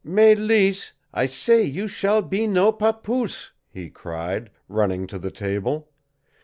"Mélisse, I say you shall be no papoose!" he cried, running to the table.